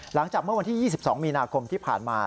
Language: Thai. หลังจากเมื่อวันที่๒๒มีนาคมที่ผ่านมา